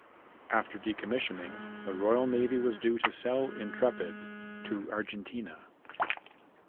After decommissioning, the Royal Navy was due to sell "Intrepid" to Argentina.